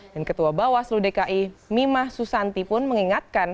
dan ketua bawaslu dki mimah susanti pun mengingat